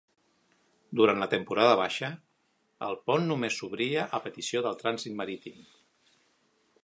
Durant la temporada baixa, el pont només s'obria a petició del trànsit marítim.